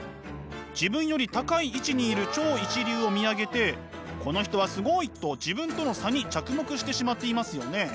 自分より高い位置にいる「超一流」を見上げて「この人はすごい！」と自分との差に着目してしまっていますよね。